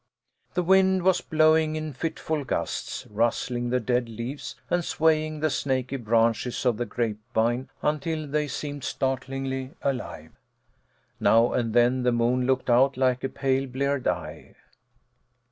The wind was blowing in fitful gusts, rustling the dead leaves and swaying the snaky branches of the grape vine until they seemed startlingly alive. Now and then the moon looked out like a pale bleared eye.